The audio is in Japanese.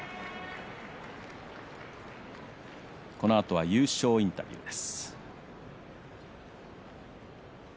このあとは優勝インタビューです。